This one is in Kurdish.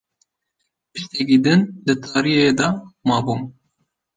Bistekî din di tariyê de mabûm